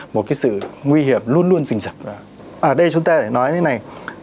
một cái sự nguy hiểm luôn luôn rình rặc ở đây chúng ta phải nói thế này